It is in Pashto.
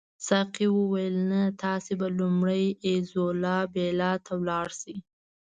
ساقي وویل نه تاسي به لومړی ایزولا بیلا ته ولاړ شئ.